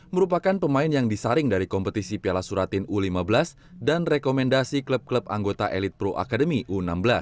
merupakan pemain yang disaring dari kompetisi piala suratin u lima belas dan rekomendasi klub klub anggota elit pro akademi u enam belas